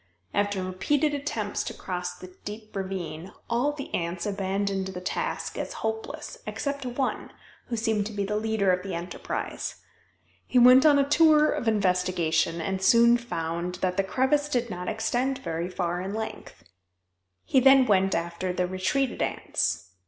After repeated attempts to cross this deep ravine all the ants abandoned the task as hopeless except one who seemed to be the leader of the enterprise. He went on a tour of investigation, and soon found that the crevice did not extend very far in length. He then went after the retreated ants.